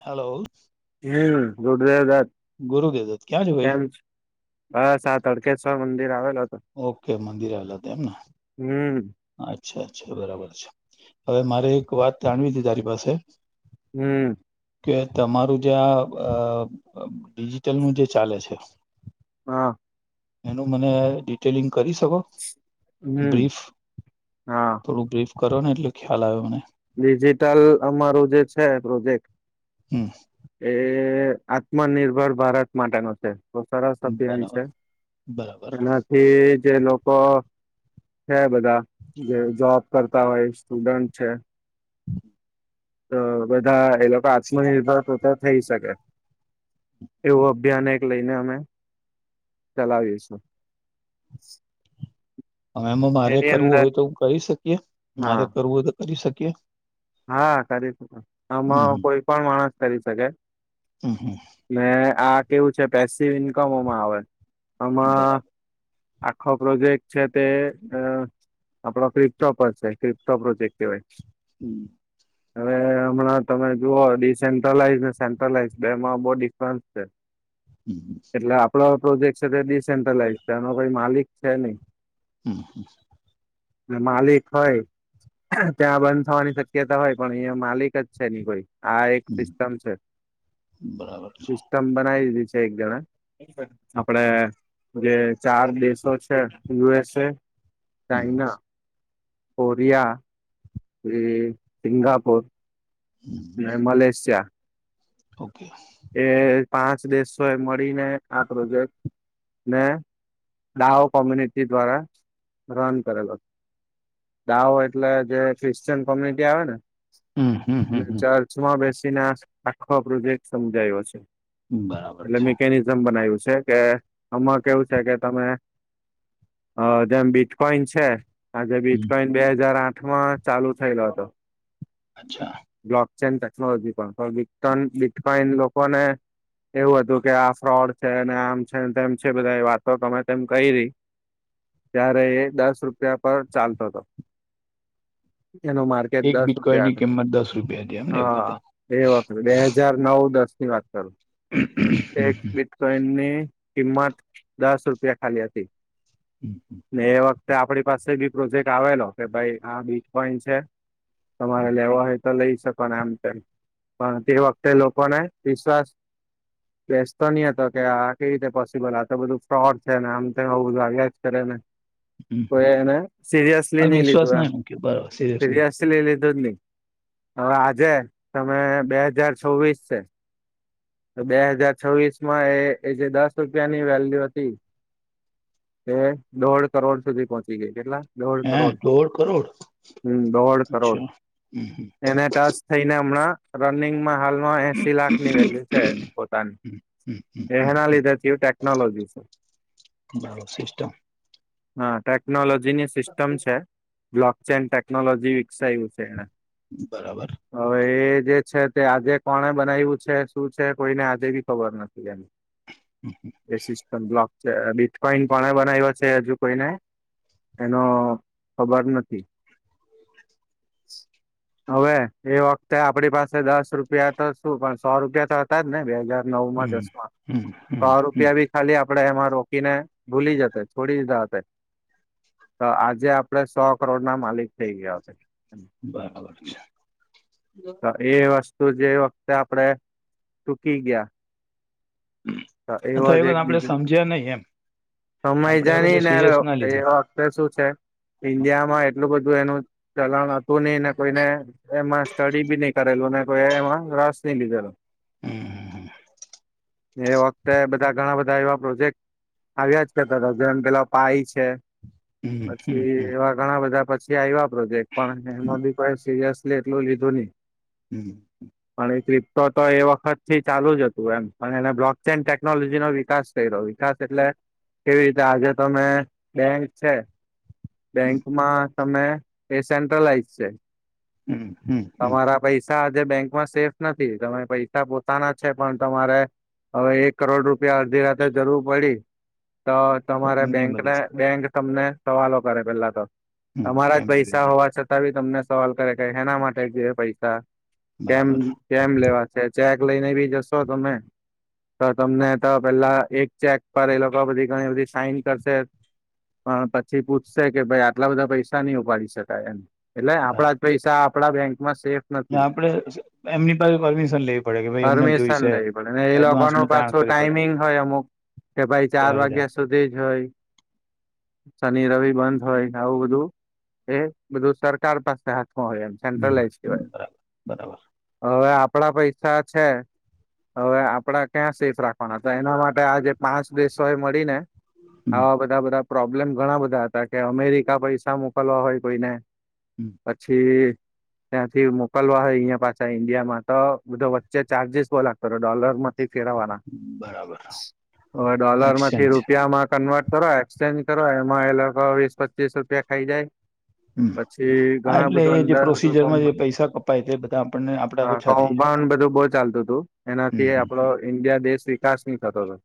Hello હમ દોડદ. [unintelligible] ગુરુદેદત્ત ક્યાં છે ભાઈ કેમ બસ આ તળકેશ્વર મંદિર આવેલ હતો. ઓકે મંદિરે આવેલા હતા એમને. હમ અચ્છા અચ્છા બરાબર છે હવે મારે એક વાત જાણવી હતી તારી પાસે. હમ્મ. કે તમારું જે આ ડિજિટલ નું જે ચાલે છે. હા. એનું મને ડિટેલિંગ કરી શકો. હમ બ્રીફ હા થોડું બ્રીફ કરો ને એટલે ખ્યાલ આવે મને. ડિજિટલ અમારું જે છે પ્રોજેક્ટ હમ્મ. એ આત્મનિર્ભર ભારત માટે નો છે. બહુ સરસ અતૈયારી બરાબર છે, બરાબર એનાથી જે લોકો છે બધા જે જોબ કરતા હોય સ્ટુડન્ટ છે તો બધા એ લોકો આત્મનિર્ભર પોતે થઈ શકે. એવું અભિયાન એક લઈને અમે ચલાવીશું. અહ એમાં મારે એની કરવું અંદર હોય તો કરી શકીએ, હા મારે કરવું હોય તો કરી શકીએ? હા કરી શકો, આમાં કોઈ પણ માણસ કરી શકે. હમ્મ, હમ્મ. ને આ કેવું છે પેસી ઇન્કમ મોમાં આવે. આમાં બરાબર આખો પ્રોજેક્ટ છે તે અહ આપડો ક્રિપટોપ પર છે, ક્રિપટોપ પ્રોજેક્ટ કહેવાય. હમ્મ. હવે હમણાં તમે જુઓ ડિસેન્ટ્રલાઈઝ સેન્ટ્રલાઈઝ બેમાં બો ડિફરન્સ છે. હમ એટલે આપડો પ્રોજેક્ટ છે તે ડડીસેન્ટ્રલાઈઝ છે એનો કોઈ માલિક છે નહી. હમ્મ, હમ્મ. ને માલિક હોય ત્યાં બંધ થવાની શક શક્યતા હોય પણ અયા માલિક જ છે ની કોઈ. આ એક હમ સિસ્ટમ છે. હમ બરાબર સિસ્ટમ બનાવી દીધી છે એક જણા આપડે જે ચાર દેશો છે યુ એસ એ હમ્મ. કોરિયા એ સિંગાપુર હમ અને મલેશિયા ઓકે. એ પાંચ દેશો એ મળીને આ પ્રોજેક્ટ ને ડાહો કોમ્યુનિટી દ્વારા રન કરેલો દાવો એટલે જે ક્રિશચિયન કોમ્યુનિટી આવે ને હમ હમ હમ અને હમ ચર્ચમાં બેસીને આખો પ્રોજેક્ટ સમજાયો છે. બરાબર એટલે છે મેિકનિઝમ બનાયું છે કે આમાં કેવું છે કે તમે અહ જેમ બીટકોઈન છે આજે હમ બીટકોઈન બે હાજાર આઠમાં ચાલુ થયેલો હતો. અચ્છા. બ્લોક ચેન ટેકનોલોજી પણ. બિકટન બિટકોઈન લોકોને એવું હતું કે આ ફ્રોડ છે અને આમ છેને તેમ છે બધા વાતો તમે તેમ કહી રહી ત્યારે એ દસ રૂપિયા પર ચાલતો તો. એનો માર્કેટ એક દસ રૂપિયા બિટકોઈનની હતો. કિંમત દસ રૂપિયા હતી એમને એ વખતે હા એ વખત બે હાજાર નવ દસ ની વાત. હમ, એજ હમ, બિટકોઈન ને કિંમત દસ રૂપિયા ખાલી હતી હમ, ને એ વખતે આપડી પાસે બી પ્રોજેક્ટ આવેલો કે ભાઈ આ બીટકોઇન છે, તમારે હમ, લેવો હોય તો લઈ શકો આમ તેમ પણ તે વખતે લોકોને વિશ્વાસ બેસતો નહી હતો કે આ કેવી રીતે પોસિબલ આ તો બધું ફ્રોડ છે ને આમ તેમ આવું આવ્યા જ કરે ને હમ, હમ. કોઈ એને સિરિયસલી આ નહી વિશ્વાસ લીધું આ ના મૂક્યો બરાબર સિરિયસલી સિરયસલી લી ધું નહીં હવે આજે તમે બે હાજાર છવીસ છે તો બે હજાર છવ્વીસ માં એ જે દસ રૂપિયાની વેલ્યુ હતી એ દોઢ કરોડ સુધી પહોંચી ગઈ, કેટલા? દોઢ હે કરોડ દોઢ કરોડ હમ્મ દોઢ કરોડ અચ્છા હમ હમ. એને ટાચ થઈને હમણાં રનિંગમાં હાલમાં હમ, એસી લાખની વેલ્યુ છે એની પોતાની. હમ, હમ, હમ. એના લીધેથી ટેકનોલોજી છે. બરાબર સિસ્ટમ હા ટેકનોલોજીની સિસ્ટમ છે બ્લોક ચેઇન ટેકનોલોજી વિકસાયું છે એને બરાબર. હવે એ જે છે તે આજે કોને બનાવ્યું છે શું છે કોઈને આજે બી ખબર નથી એમ એ સિસ્ટમ બ્લોક છે બીટકોઈન પણ બનાવ્યો છે હજુ કોઈને એનો ખબર નથી. હવે એ વખતે આપડી પાસે દસ દ રૂપિયા તો શું પણ સો રૂપિયા તો હતા જ ને બે હાજાર નવ માં દસ હમ સો માં હમ હમ હમ રૂપિયા ભી ખાલી આપડે એમાં રોકીને ભૂલી જતે છોડી દીધા હતા. તો આજે આપડે સો કરોડ ના માલિક થઇ ગયા હતા. બરાબર છે. તો એ વસ્તુ જે વખતે આપડે ટૂકી ગયા તો એવો તોય જ એક આપડે બીજો સમજ્યા નહી એમ સમય આપણે એ વખતે જાની ને સિરિયસ ના એ લીધું વખતે શું છે ઈન્ડિયામાં એટલું બધું બધું એનું ચલણ હતું નહી ને કોઈને એમાં સ્ટડી બી નહી કરેલુંને તો એમાં રાસ નઈ લીધેલો હમ હમ હ. એ વખતે બધા ઘણા બધા એવા પ્રોજેક્ટ આવ્યા જ કરતા જેમ પેલા પાય છે હમ હમ પછી હમ એવા ઘણા બધા પ આવ પ્રોજેક્ટ પણ હમ એમાં બી કોઈ સિરિયસલી એટલું લીધું નહી. હમ. તો તો એ વખત થી ચાલુ જ હતું એમ અને એને બ્લોક ચેન ટેકનોલોજી નો વિકાસ થઈ રહ્યો વિકાસ એટલે કેવી રીતે આજે તમે બેંક છે હમ બેંકમાં તમે એ સેન્ટ્રલાઈઝ છે. હમ હમ હમ. જે બેંકમાં સેફ નથી તમે પૈસા પોતાના છે પણ તમારે હવે એક કરોડ રૂપિયા અડધી રાતે જરૂર પડી તો તમારે નહી મળી બેંકને શકે બેંક તમને સવાલો કરે પેલા તો હમ અમારા જ કેમ્પ પૈસા જોઈને હોવા છતાં બી તમને સવાલ કરે કે હેના માટે જોઈએ પૈસા. કેમ બરાબર કેમ લેવા છે. ચેક લઈને બી જશો તમે તો તમને તો પેલા એક ચેક પર એલો બધી ઘણી બધી સાઈન કરશે પણ પછી પૂછશે કે ભાઈ આટલા બધા પૈસા નહી ઉપાડી શકાય એમ એટલે આપડા જ બરાબર પૈસા આપડા બેંક સેફ નથી આપડે એમની પાસે પરમિશન લેવી પડે કે ભાઈ એમને જોઈશે પરમિશન એમ. લઈ પડે એ લોકો એડવાન્સમાં જાણ પાછો કરવી પડે ને ટાઈમિંગ હોય અમુક કે ભાઈ ચાર ત્યારે જ વાગ્યા સુધી જ હોય શનિ રવિ બંધ હોય આવું બધું એ બધું સરકાર પાસે હોય એમ હમ સે્ટલ એસી હોય બરાબર બરાબર હવે આપડા પૈસા છે હવે આપડા ક્યાં સેફ રાખવાના હતા એના માટે આ જે પાંચ દેશો એ મળી ને હમ આવા બધા બધા પ્રોબ્લેમ ઘણા બધા હતા કે અમેરિકા પૈસા મોકલવા હોય કોઈને હમ પછી ત્યાંથી મોકલવા હોય અહીંયા પાછા ઈન્ડિયામાં તો બધો વચ્ચે ચાર્જિસ બહુ લાગતો હતો ડોલરમાં ફેરવાના બરાબર હવે ડોલર માંથી એક્સચેન્જ રૂપિયામાં કન્વર્ટ કર એક્સચેન્જ કરો એમાં એ લોકો વીસ પચીસ રૂપિયા ખાઈ જાય હમ પછી હા ઘણા એટલે બધું એ જે અંધાર હતો કો પ્રોસીજરમાં જે પૈસા કપાય તે બધા આપણને આપડા હ કો ઓછા થઈ જાય બધું એટલા બહ ચાલતું હતું હમ એનાથી હમ આપડો ઇન્ડિયા દેશ વિકાસ નહી થતો હતો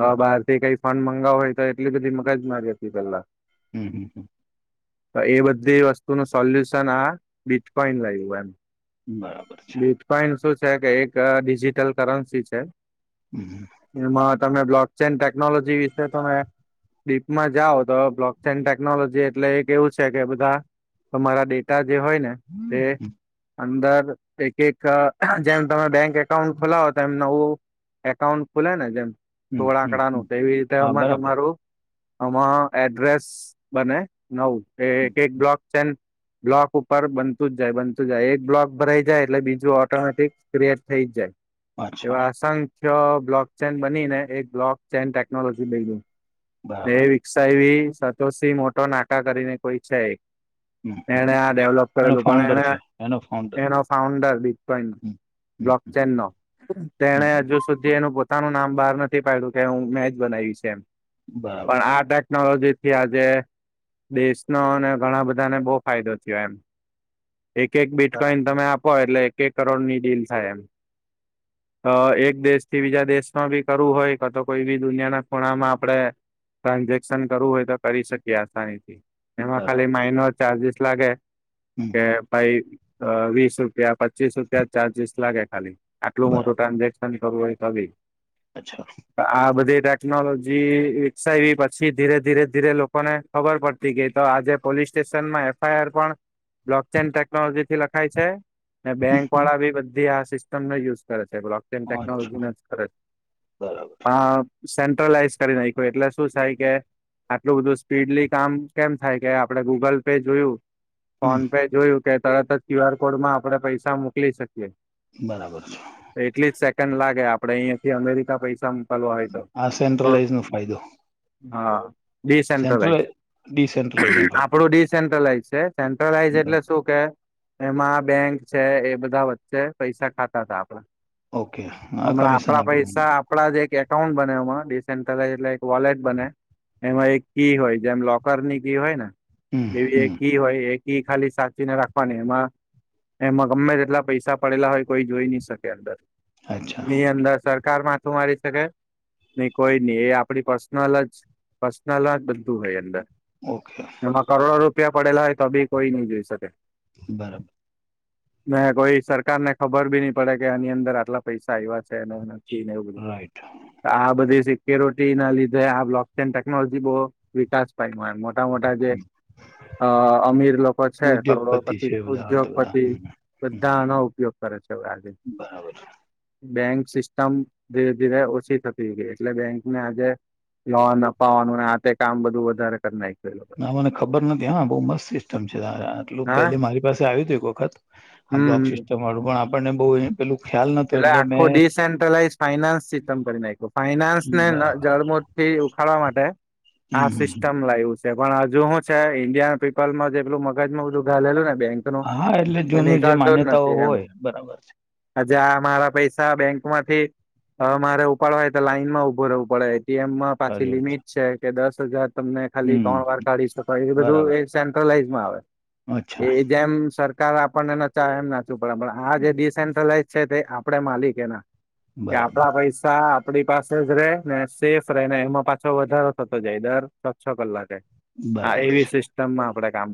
હ બહારથી કંઈ ફંડ મગાવ હોય તો એટલી બધી મગજ મારીહતી પેલા હમ હમ હ. તો એ બધી વસ્તુ ન સોલ્યુશન આ બીટકોઈન લાગ્યું એમ બરાબર છે બીટકોઈન શું છે કે એક ડિજિટલ કરન્સી છે હમ એમાં તમે બ્લોક ચેઇન ટેકનોલોજી વિશે તમે ડીપમાં જાઓ તો બ્લોક્સ એડ ટેકનોલોજી એટલે એક એવું છે કે બધા તોરા ડેટા જે હોય ને હમ તે અંદર એક એક જેમ તમે બેંક એકાઉન્ટ ખોલાવો તો એમ નવું એકાઉન્ટ ખુલે ને જેમ હમ સોળ હમ હમ આંકડાનું તો એવી રીતે હા અમાં બરાબર તમારું આમાં એડ્રેસ બને નવ હમ એ એક હમ. બ્લોક ચેન બ્લોક ઉપર બનતું જ જાય બનતું જાય એક બ્લોક ભરાઈ જાય એટલે બીજું ઓટોમેટિક ક્રિએટ થઈ જ જાય અચ્છા એવાસંગ બ્લોક ચેન બની ને એક બ્લોક ચેન ટેકનોલોજી બેઈ ગય ને બરાબર વિકસાવી સતોથી મોટો નાકા કરીને કોઈ છે હમ હમ એણે આ ડેવલોપ એનો કરેલું પણ ફાઉન્ડર એને છે એનો ફાઉન્ડર એનો ફાઉન્ડર બીપકોઈ હમ હમ બ્લોક હમ ચેન ન તેને હમ. હજુ સુધી એનું પોતાનું નામ બ નથી પાડું કે હું મે જ બનાવી છે એમ બરાબર પણ આ ટેકનોલોજી થી આજે દેશનો અને ઘણા બધાને બહુ ફાયદો થયો એમ એક એક બરાબર કઈને તમે આપો એટલે એક એક કરોડ ની ડીલ થાય એમ [inaudible] અ એક દેશ થી બીજા દેશમાં બી કરવું હોય કે તો કોઈ બી દુનિયાના ખૂણામાં આપડણે ટ્રાન્ઝેક્શન કરવું હોય તો કરી શકીએ આસાની એમાં ખાલી બરાબર માઇનો ચાર્જસ લાગે હમ કે ભાઈ વીસ રૂપિયા પચીસ રૂપિયા ચાર્જિસ લાગે ખાલી આટલું મોટું બરાબર ટ્રાન્ઝેક્શન અચ્છા આ બધે ટેકનોલોજી વિકસાવી પછી ધીરે ધીરે ધીરે લોકોને ખબર પડતી ગઈ તો આજે પોલીસ સ્ટેશન એફઆઈઆર પણ બ્લોક ચેન ટેકનોલોજી થી ાય છે ને હમ, બેંક હમ. વાળા બી બધી આ સિસ્ટમને યુઝ કરે છે અચ્છા ટેકનોલોજી જ કરે બરાબર છે સેન્ટ્રલાઈઝ કરી નાખ્યું એટલે શું થાય કે આટલું બધું સ્પીડલી કામ કેમ થાય કે આપડે ગૂગલ પે જોયું હમ ફોન પે જોયું કે તરત જ ક્યુ આર કોડ માં આપડણે પૈસા મોકલી શકીએ બરાબર છે એટલી જ સેકન્ડ લાગે આપડે અહીિયાંયાથી અમેરિકા પૈસા મોકલવા હોય તો આ તો સેન્ટ્રલાઈઝ નો ફાયદો હા સેન્ટ્રલ ડિસેન્ટ્રલાઈઝ ડિસેન્ટ્રલાઈઝ નો ફાયદો આપડું ડીસેન્ટ્રલાઈઝ છે સેન્ટ્રલાઈઝ એટલે બરાબર શું કે એમાં બેંક છે એ બધા વચ્ચે પૈસા ખાતા હતા આપણે ઓકે હા હમણાં કમિશન આપડા પૈસા આપણુંમાં આપડા જે ટાઉન બને એમાંડીસે એટલે એક વોલેટ બને એમાં એક કી હોય જેમ લોકરની કી હોય ને હમ એવી એક હમ કી હોય એક કી ખાલી સાચીને રાખવાની એમાં એમાં ગમે તેટલા પૈસા પડેલા હોય કોઈ જોઈ ન શકે અંદર અચ્છા ની અંદર સરકાર માથું મારી શકે નહી કોઈ નહી એ આપડી પર્સનલ જ પર્સનલ જ બધું હોય અંદર ઓકે એમાં કરોડો રૂપિયા પડેલા હોય તો બી કોઈ નહી જોઈ શકે બરાબર ને કોઈ સરકાર ને ખબર ભી નઈ પડે કે આની અંદર આટલા પૈસા આવ્યા છે ી એવું બધું રાઈટ આ બધે ટી ના લીધે આક ટેકનોલોજી બહ વિકાસ પાય મોટા મોટા જે હમ. અ અમીર લોકો છે કરોડો ઉદ્યોગપતિ પતિ છે બધા આ તો બધા ઉદ્યોગપતિ હમ, હમ. બધાનો ઉપયોગ કરે છે આજ બરાબર બેંક સિસ્ટમ ધીરે ધીરે ઓછી થતી ગઈ એટલે બેંક ને આજે લોન અપાવાનું આ તે કામ બધું વધારે કર નાય ના મને ખબર નથી હા બઉ મસ્ત સિસ્ટમ છે આટલું પે હા મારી પાસે આવ્યું હતું એક વખત આ હમ બ્લોક હમ સિસ્ટમ વાળું પણ આપણને બહુ પેલું ખ્યાલ નતો એટલે મેં આખું ડિસેન્ટ્રલાઈઝ ફાઈનાન્સ સિસ્ટમ કરી નાખ્યો ફાઈનાન્સ ને બરાબર જળમથી ખાડવા માટે આ હમ સિસ્ટમ લાવું છે પણ હજુ શું છે ઈન્ડિયન પીપલમાં જેટલું મગજ બધું ઘાલેલું ને બેંક નો હા એટલે તો જૂનું જે દખાલતો જ માન્યતાઓ નથી એમ હોય બરાબર છે આજે આ મારા પૈસા બેંક માંથી મારે ઉપાડવા હોય તો લાઈન માં ઉભું રહેવું પડે મમાં પાછી સારી વાત લિમિટ છે કે દસ હજાર તમને ખાલી હમ ત્રણ વાર કાઢી શકો એ બધું બરાબર એ સેન્ટ્રલાઈઝ માં અચ્છા આવે એ જેમ સરકાર આપણને નાચા એમ નાચું પડે પણ આ જે ડિસેન્ટ્રલાઈઝ છે તે આપણેે માલિક એના કે બરાબર આપણા પૈસા આપડી પાસે જ રે ને સેફ રે ને એમાં પાછો વધારો થતો જાય દર છ છ કલાકે હા બરાબર એવી છે સિસ્ટમ માં આપડે કામ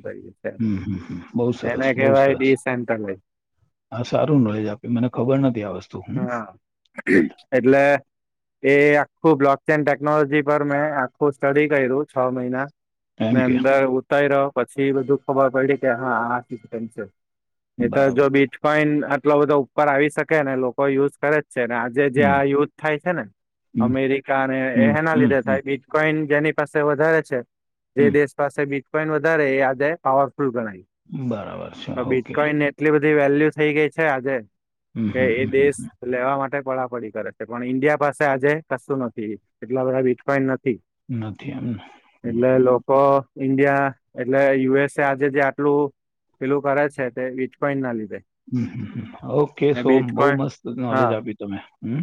હમ હમ બહુ એને સરસ બહુ કેહેવાય સરસ ડીસેન્ટલ હા સારું નોલેજ આપ્યું મને ખબર નથી આ વસ્તુ હમ હા ગુડ એટલે એ આખું બ્લોક ચેન ટેકનોલોજી પર મેં આખું સ્ટડી કર્યું છ મહિના ને એમ કે અંદર ઉતારી રહ્યો પછી બધું ખબર પડી કે હા આ કેમ છે એ તો બરાબર જો છે બીચ કોઈન આટલો બધો ઉપર આવી શકે ને લોકો યુઝ કરે છે આજે જે હમ આ યુદ્થ થાય છે નેને હમ અમેરિકા ને એ હમ એના હમ લીધે હમ થાય બીટકોઈન એની પાસે વધારે છે જે હમ દેશ પાસે બીચ પોઈન્ટ વધારે એ આજે પાવર ગણ બરાબર છે તો ઓકે બીટકોઈને એટલી બધ વેલ્યુ થઈ ગઈ છે આજે હમ કે હમ એ હમ દેશ લેવા માટે પ કરે છે પણ ઈન્ડિયા પાસે આજે કશું નથી એટલા બધાીટકોઈ નથી એમને લોકો ઈન્ડિયા એટલે યુએસ એ આજે જે આટલું પેલું કરે છે તે વજપઈ ના લીધે હમ હ હ કે સોમ બહુ બીટકોઈન મસ્ત હા નોલેજ આપી તમે હમ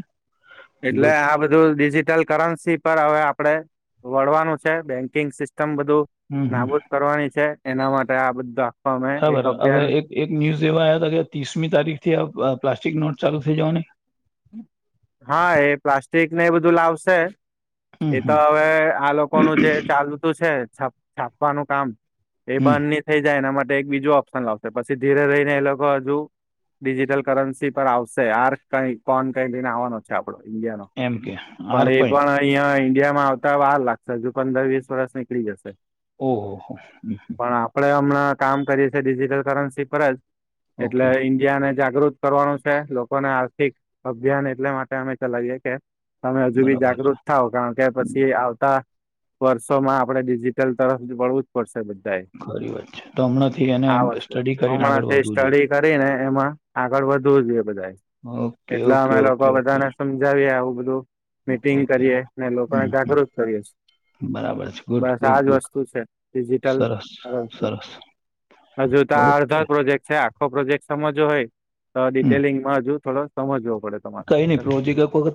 એટલે ગુડ આ બધું ડિજિટલ કરન્સી પર હવે આપડણે વળવાનું છે બેન્કિંગ સિસ્ટમ સમ બધું હમ હમ નાબૂદ કરવાની છે એના માટે આ બધા બરાબર હવે એક એક ન્યુઝ વા આવ કે ત્રીસમી તારીખથી આ પ્લાસ્ટિક નોટ ચાલુ થઇ જવા ને હા એ પ્લાસ્ટિક ને એ બધું લાવશે હમ એ હમ તો હવે આ લોકોનું જે ચાલુતું છે છાપવાનું કામ એ હમ બંધ નની થઈ જાય એના માટે એક બીજું ઓપ્શન લાવશે પછી ધીરે રહીને એ લોકો હજુ ડિજિટલ કરન્સી પર આવશે આાર કઈ કોન કઈ લઈને આવવાનો છે એમ કે આર ડહી કોઈન િયામાં આવતા વાર લાગશે હ જો પંદર વીસ વર્ષ નીકળી જશે ઓહહ હ હ પણ આપણે હમણાં કામ કરીએી ડિજિટલ કરન્સી પર જ એટલે ઓકે ઇન્ડિયાને જાગૃત કરવાનું છે લોકોને આર્થિક અભિયાન એટલે માટે અમે ચલાવીએ કે તમે હજુ બી બરાબર છે. જાગૃત થાવ કારણ કે હમ, પછી આવતા વર્ષોમાં આપડે ડિજિટલ તરફ પળવું જ પડશે બધું ખરી વાત છે તો હમણાંથી એને આ વસ્તુ સ્ટડી કરીને હમણાં આગળ તે વધવું જોઈએ સ્ટડી કરીને એમાં આગળ વધવું જોઈએ બધા હ એટલે અમે લોકો બધાને સમજાવીએ આવુ બધું મીટિંગ ઓકે કરીએ અને લોકોને હમ હમ જાગૃત કરીએ છે. બરાબર છે ગુડ બસ ગુડ આજ ગુડ વસ્તુ છે ડિજિટલ સરસ વસ્તુ. સરસ હજુ તો આ ઓકે અડધા પ્રોજેક્ટ છે આખો પ્રોજેક્ટ સમજવો હોય તો હમ ડિટેલિંગમાં હજુ થોડો સમજવો. પડે તમારે કઈ નઈ પ્રોજિક એક વખત